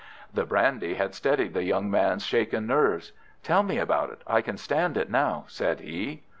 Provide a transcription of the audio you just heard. The brandy had steadied the young man's shaken nerves. "Tell me about it. I can stand it now," said he.